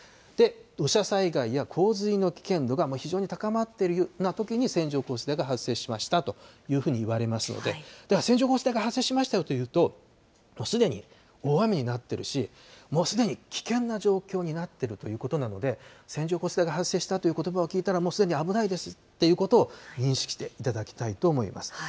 土砂災害や洪水の危険度が非常に高まっているようなときに線状降水帯が発生しましたというふうにいわれますので、では線状降水帯が発生しましたよというと、すでに大雨になってるし、もうすでに危険な状況になってるということなので、線状降水帯が発生したということばを聞いたら、もうすでに危ないですということを認識していただきたいと思います。